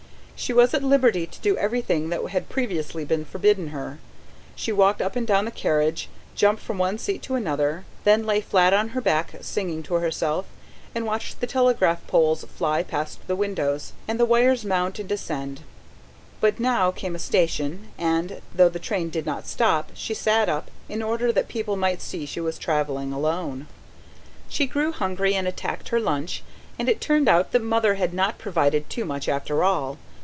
She was at liberty to do everything that had previously been forbidden her: she walked up and down the carriage, jumped from one seat to another, then lay flat on her back singing to herself, and watching the telegraph poles fly past the windows, and the wires mount and descend. But now came a station and, though the train did not stop, she sat up, in order that people might see she was travelling alone. She grew hungry and attacked her lunch, and it turned out that Mother had not provided too much after all.